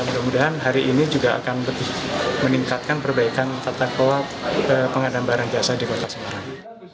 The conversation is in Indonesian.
mudah mudahan hari ini juga akan lebih meningkatkan perbaikan tata kelola pengadaan barang jasa di kota semarang